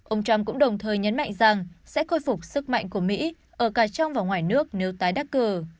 ông trump cũng đồng thời nhấn mạnh rằng sẽ khôi phục sức mạnh của mỹ ở cả trong và ngoài nước nếu tái đắc cử